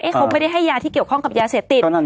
เขาไม่ได้ให้ยาที่เกี่ยวข้องกับยาเสพติด